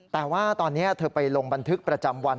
แต่ว่าตอนนี้เธอไปลงบันทึกประจำวัน